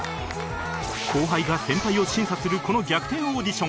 後輩が先輩を審査するこの逆転オーディション